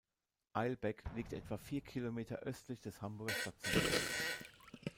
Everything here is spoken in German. Eilbek liegt etwa vier Kilometer östlich des Hamburger Stadtzentrums.